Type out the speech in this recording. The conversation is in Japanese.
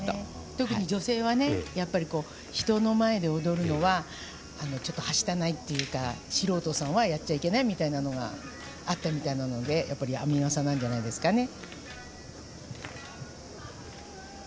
特に女性は人の前で踊るのはちょっと、はしたないっていうか素人さんはやっちゃいけないというのがあったみたいなので編みがさなんじゃないですかね。